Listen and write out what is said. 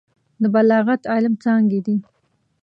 د بلاغت علم څانګې دي.